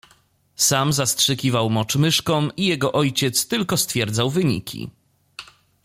Sam zastrzykiwał mocz myszkom i jego ojciec tylko stwierdzał wyniki.